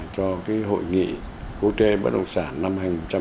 cho hội nghị quốc tế bất động sản năm hai nghìn một mươi tám